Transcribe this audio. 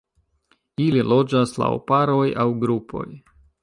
Ili loĝas laŭ paroj aŭ grupoj.